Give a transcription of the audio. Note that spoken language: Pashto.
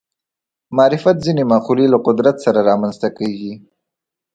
معرفت ځینې مقولې له قدرت سره رامنځته کېږي